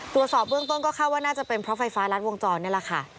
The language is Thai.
ตรวจสอบเบื้องต้นก็คาดว่าน่าจะเป็นเพราะไฟฟ้ารัดวงจรนี่แหละค่ะ